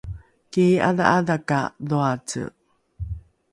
kii’adha’adha ka dhoace